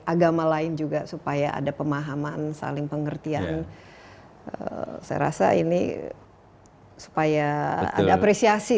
agama lain juga supaya ada pemahaman saling pengertian saya rasa ini supaya ada apresiasi